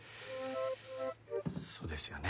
そうですよね